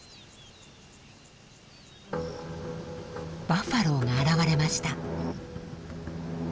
バッファローが現れました。